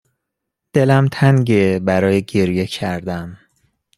دلم تنگه برای گریه کردن